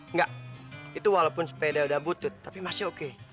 nggak itu walaupun sepeda udah butut tapi masih oke